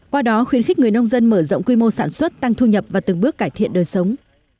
qua đó khuyến khích người nông dân mở rộng quy mô sản xuất tăng thu nhập và từng bước cải thiện đời sống